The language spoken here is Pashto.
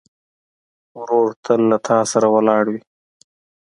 ورور تل له تا سره ولاړ وي.